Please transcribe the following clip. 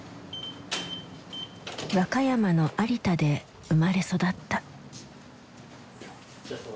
和歌山の有田で生まれ育った。